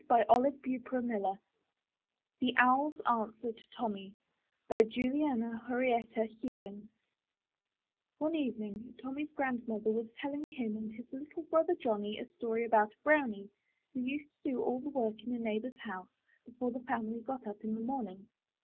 24 UP ONE PAIR OF STAIRS THE owl;s answer to tommy* Juliana Horatia Ewing One evening Tommy's grandmother was telling him and his little brother Johnny a story about a BROWNIE who used to do all the work in a neighbor's house before the family got up in the morning.